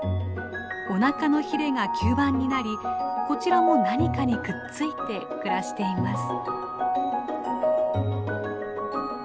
おなかのヒレが吸盤になりこちらも何かにくっついて暮らしています。